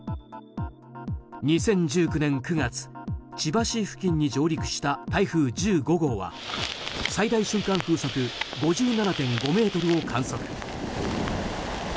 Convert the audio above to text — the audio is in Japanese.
２０１９年９月、千葉市付近に上陸した台風１５号は最大瞬間風速５７．５メートルを観測。